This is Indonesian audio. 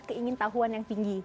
keingin tahuan yang tinggi